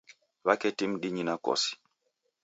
W'aketi mdinyi na kosi.